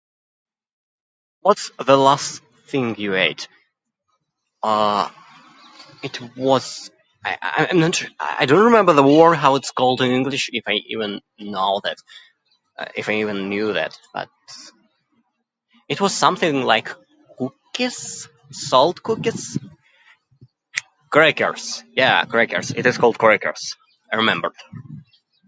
What's the last thing you ate? Uh, it was... I I I I'm not sure... I don't remember the word, how it's called in English, if I even know that, if I even knew that. But, it was something like... cookies? Salt cookies? Crackers, yeah, crackers. It is called crackers. I remembered.